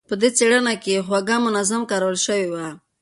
په دې څېړنه کې هوږه منظم کارول شوې وه.